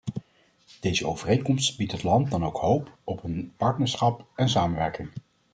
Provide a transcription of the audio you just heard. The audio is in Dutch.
Deze overeenkomst biedt het land dan ook hoop op een partnerschap en samenwerking.